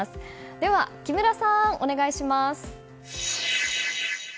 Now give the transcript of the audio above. では木村さん、お願いします！